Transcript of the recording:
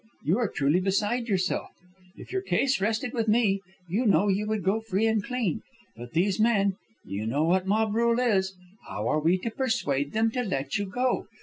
You are truly beside yourself. If your case rested with me, you know you would go free and clean. But these men, you know what mob rule is, how are we to persuade them to let you go?